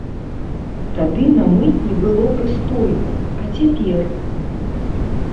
Тады на мытні было прыстойна, а цяпер?